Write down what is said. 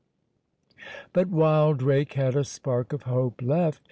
But Wildrake had a spark of hope left.